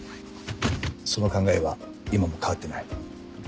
その考えは今も変わってない。